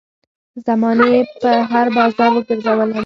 زمانې په هـــــر بازار وګرځــــــــــولم